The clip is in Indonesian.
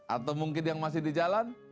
atau mungkin yang masih di jalan